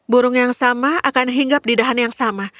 burung yang sama akan hingga pedidahan yang sama